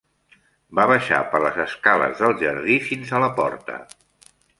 Va baixar per les escales del jardí fins a la porta.